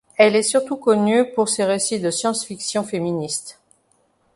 Elle est surtout connue pour ses récits de science-fiction féministes.